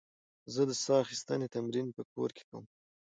زه د ساه اخیستنې تمرین په کور کې کوم.